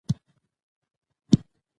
اقتصاد د منابعو مؤثره کارونه څیړي.